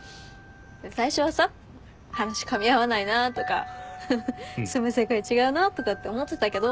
最初はさ話かみ合わないなとか住む世界違うなとかって思ってたけど。